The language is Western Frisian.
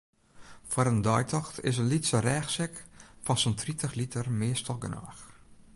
Foar in deitocht is in lytse rêchsek fan sa'n tritich liter meastal genôch.